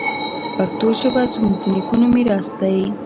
پښتو ژبه زموږ د نیکونو میراث دی.